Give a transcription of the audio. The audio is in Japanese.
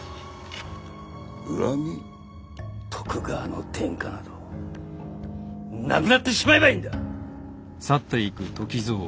徳川の天下などなくなってしまえばいいんだ！